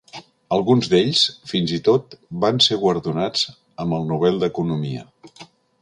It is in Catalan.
Alguns d'ells fins i tot van ser guardonats amb el Nobel d'Economia.